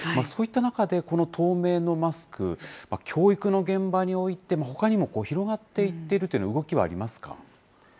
そういった中で、この透明のマスク、教育の現場においても、ほかにも広がっていっているという動きはありますか。